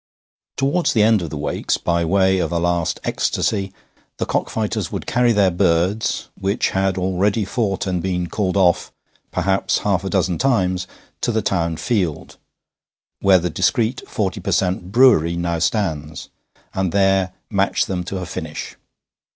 Towards the end of the Wakes, by way of a last ecstasy, the cockfighters would carry their birds, which had already fought and been called off, perhaps, half a dozen times, to the town field (where the discreet 40 per cent. brewery now stands), and there match them to a finish.